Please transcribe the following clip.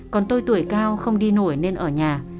còn tôi tuổi cao không đi nổi nên ở nhà